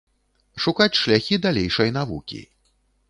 Шукаць шляхі далейшай навукі.